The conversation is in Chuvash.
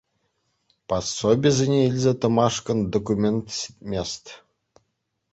Пособисене илсе тӑмашкӑн документ ҫитмест.